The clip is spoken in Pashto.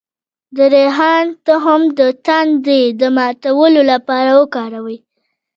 د ریحان تخم د تندې د ماتولو لپاره وکاروئ